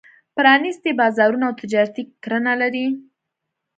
پرانېستي بازارونه او تجارتي کرنه لري.